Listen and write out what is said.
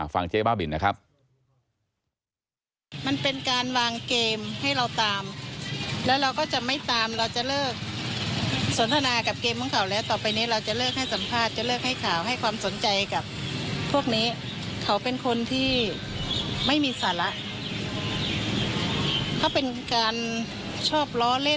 ฟังเจ๊บ้าบิลนะครับ